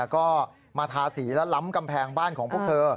ก็มาทาสีและล้ำกำแพงบ้านของพวกเธอ